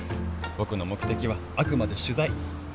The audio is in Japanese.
僕の目的はあくまで取材。